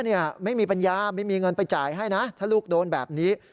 เนี่ยไม่มีปัญญาไม่มีเงินไปจ่ายให้นะถ้าลูกโดนแบบนี้